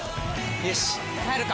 よし帰るか！